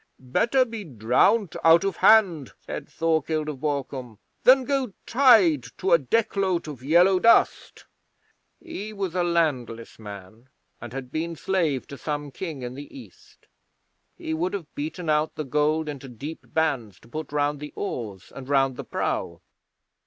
'"Better be drowned out of hand," said Thorkild of Borkum, "than go tied to a deck load of yellow dust." 'He was a landless man, and had been slave to some King in the East. He would have beaten out the gold into deep bands to put round the oars, and round the prow.